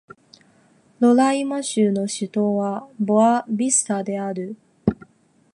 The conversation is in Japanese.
ロライマ州の州都はボア・ヴィスタである